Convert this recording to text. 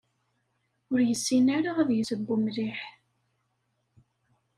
Ur yessin ara ad yesseww mliḥ.